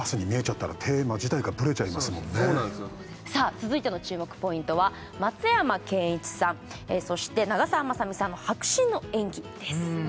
続いての注目ポイントは松山ケンイチさんそして長澤まさみさんの迫真の演技です